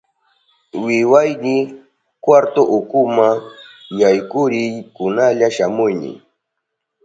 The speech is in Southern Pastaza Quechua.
Wawayni, kwartu ukuma yaykuriy, kunalla shamuni.